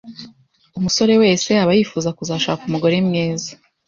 umusore wese aba yifuza kuzashaka umugore mwiza